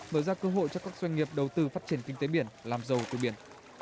mở ra cơ hội cho các doanh nghiệp đầu tư phát triển kinh tế biển làm giàu từ biển